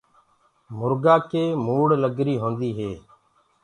مرگآ ڪي موڙ لگري هوندي هي۔